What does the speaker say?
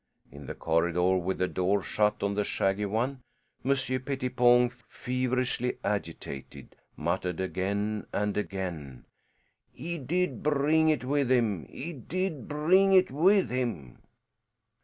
In the corridor, with the door shut on the shaggy one, Monsieur Pettipon, feverishly agitated, muttered again and again, "He did bring it with him. He did bring it with him."